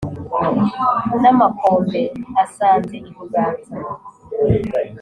n' amakombe asanze i buganza